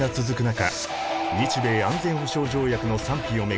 中日米安全保障条約の賛否を巡り